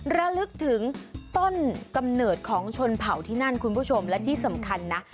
ระลึกถึงต้นกำเนิดของชนเผ่าที่นั่นคุณผู้ชมและที่สำคัญนะ